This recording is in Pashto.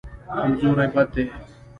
کمزوري بد دی.